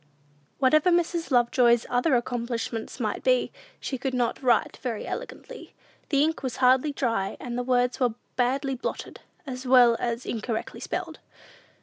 Whatever Mrs. Lovejoy's other accomplishments might be, she could not write very elegantly. The ink was hardly dry, and the words were badly blotted, as well as incorrectly spelled.